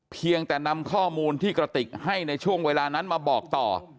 เพียงแต่นำข้อมูลที่กระติกให้ในช่วงเวลานั้นมาบอกต่อ